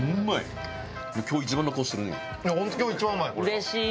うれしい！